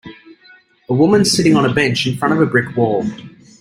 A woman sitting on a bench in front of a brick wall.